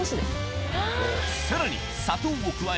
さらにえ。